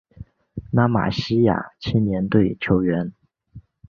拉玛西亚青年队球员